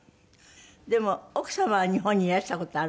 でも奥様は日本にいらした事ある？